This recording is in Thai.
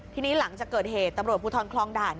ทีนี้หลังจากเกิดเหตุตำรวจภูทรคลองด่าน